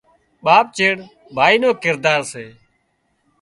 ٻاپ چيڙ ڀائي نو ڪردار سي